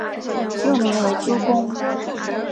幼名为珠宫。